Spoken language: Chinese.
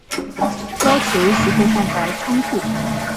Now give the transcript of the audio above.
要求媳妇放在仓库